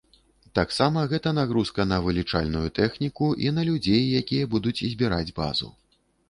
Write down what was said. Таксама гэта нагрузка на вылічальную тэхніку і на людзей, якія будуць збіраць базу.